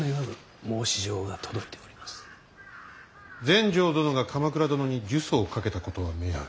全成殿が鎌倉殿に呪詛をかけたことは明白。